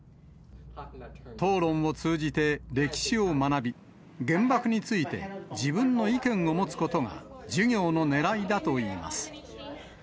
討論を通じて歴史を学び、原爆について自分の意見を持つことが、授業のねらいだといいます。